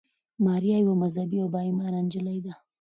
ماریا یوه مذهبي او با ایمانه نجلۍ ده.